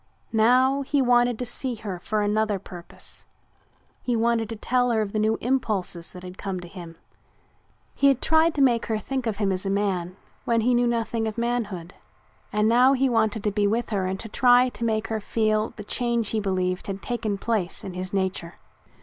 Now he wanted to see her for another purpose. He wanted to tell her of the new impulses that had come to him. He had tried to make her think of him as a man when he knew nothing of manhood and now he wanted to be with her and to try to make her feel the change he believed had taken place in his nature.